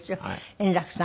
円楽さん